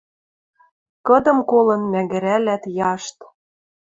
Кыдым колын мӓгӹрӓлӓт яшт.